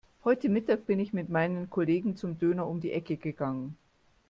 Heute Mittag bin ich mit meinen Kollegen zum Döner um die Ecke gegangen.